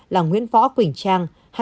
là nguyễn võ quỳnh trang